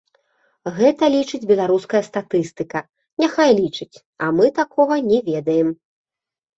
Гэта лічыць беларуская статыстыка, няхай лічыць, а мы такога не ведаем.